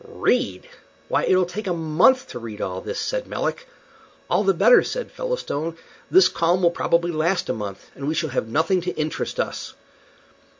"Read? Why, it'll take a month to read all this," said Melick. "All the better," said Featherstone; "this calm will probably last a month, and we shall have nothing to interest us."